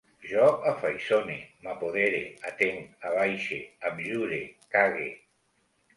Jo afaiçone, m'apodere, atenc, abaixe, abjure, cague